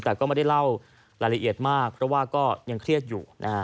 แต่ก็ไม่ได้เล่ารายละเอียดมากเพราะว่าก็ยังเครียดอยู่นะฮะ